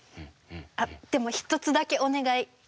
あっでも一つだけお願い！